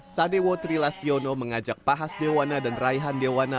sadewo trilastiono mengajak pakas dewana dan raihan dewana